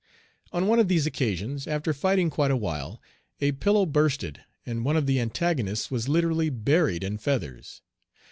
On one of these occasions, after fighting quite a while, a pillow bursted, and one of the antagonists was literally buried in feathers.